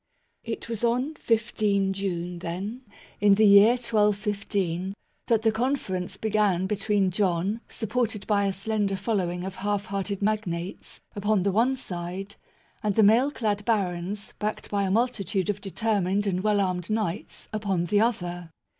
It was on 15 June, then, in the year 1215, that the conference began between John, supported by a slender following of half hearted magnates, upon the one side, and the mail clad barons, backed by a multitude of determined and well armed knights, upon the other.